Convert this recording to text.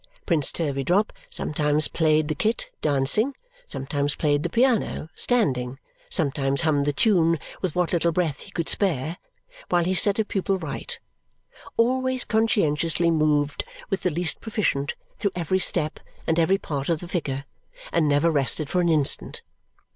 Prince Turveydrop sometimes played the kit, dancing; sometimes played the piano, standing; sometimes hummed the tune with what little breath he could spare, while he set a pupil right; always conscientiously moved with the least proficient through every step and every part of the figure; and never rested for an instant.